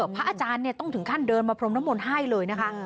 พระอาจารย์ต้องถึงขั้นเดินมาพรมน้ำมนต์ให้เลยนะคะ